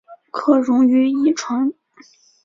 可溶于乙醇。